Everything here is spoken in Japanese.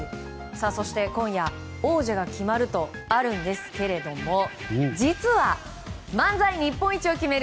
そして、今夜王者が決まるとあるんですが実は、漫才日本一を決める